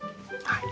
はい。